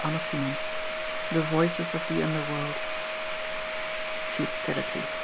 CHAPTER XI THE VOICES OF THE UNDERWORLD Futility!